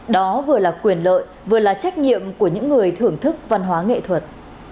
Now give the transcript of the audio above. đó vừa là quyền lợi vừa là trách nhiệm của những người thưởng thức văn hóa nghệ thuật